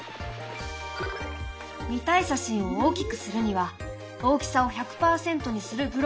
見たい写真を大きくするには「大きさを１００％にする」